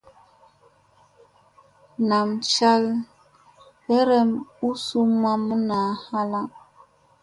Nam cal berem u suu mamma naa halaŋ.